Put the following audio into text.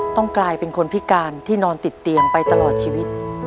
ต้องกลายเป็นคนพิการที่นอนติดเตียงไปตลอดชีวิต